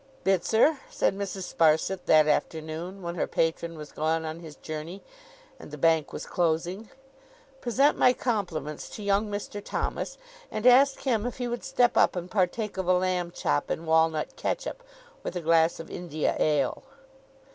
'Bitzer,' said Mrs. Sparsit that afternoon, when her patron was gone on his journey, and the Bank was closing, 'present my compliments to young Mr. Thomas, and ask him if he would step up and partake of a lamb chop and walnut ketchup, with a glass of India ale?